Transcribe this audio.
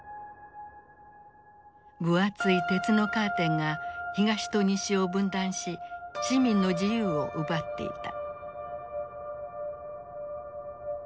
分厚い鉄のカーテンが東と西を分断し市民の自由を奪っていた。